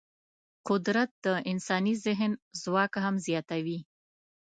قدرت د انساني ذهن ځواک هم زیاتوي.